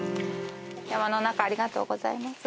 山の中ありがとうございます。